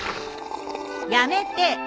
やめて！